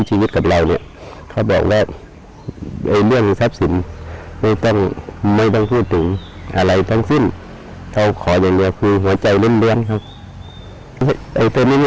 อีกประมาณ๑๐๐กิโลเมตรถึงนี่ตื่นเต้นมากขึ้นกว่าเดินไหมคะ